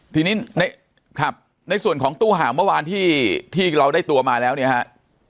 ทีนี้ครับในส่วนของตู้ห่าวเมื่อวานที่เราได้ตัวมาแล้วเนี่ยฮะ